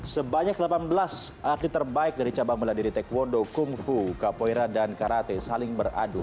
sebanyak delapan belas arti terbaik dari cabang bela diri taekwondo kung fu kapoeira dan karate saling beradu